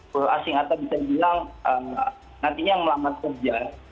buruh asing artinya bisa dibilang nantinya yang melamar kerja